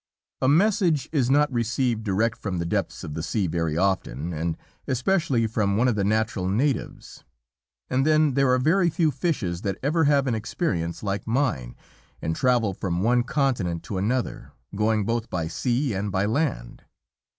A message is not received direct from the depths of the sea very often, and especially from one of the natural natives. And then, there are very few fishes that ever have an experience like mine, and travel from one continent to another, going both by sea and by land.